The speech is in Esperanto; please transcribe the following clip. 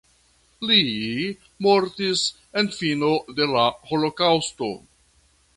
Li mortis en fino de la holokaŭsto.